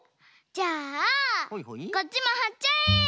じゃあこっちもはっちゃえ！